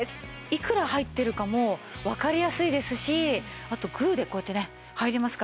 いくら入ってるかもわかりやすいですしあとグーでこうやってね入りますから。